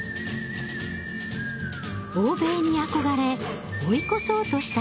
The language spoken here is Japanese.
欧米に憧れ追い越そうとした時代。